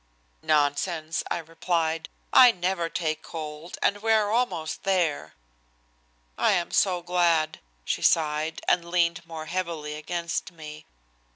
"Nonsense," I replied. "I never take cold, and we are almost there." "I am so glad," she sighed, and leaned more heavily against me.